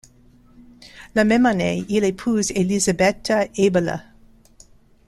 La même année, il épouse Elizebete Ābele.